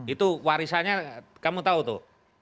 itu warisannya kamu tahu tuh